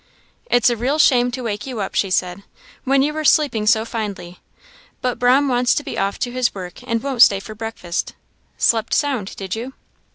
"It's a real shame to wake you up," she said, "when you were sleeping so finely; but 'Brahm wants to be off to his work, and won't stay for breakfast. Slept sound, did you?"